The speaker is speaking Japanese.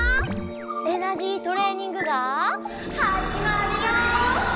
エナジートレーニングがはじまるよ！